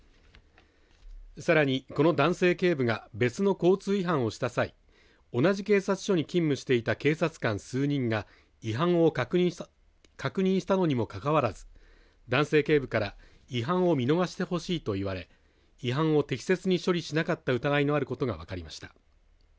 さらに、この男性警部が別の交通違反をした際同じ警察署に勤務していた警察官数人が違反を確認したのにもかかわらす男性警部から違反を見逃してほしいと言われ違反を適切に処理しなかった疑いのあることが分かりました。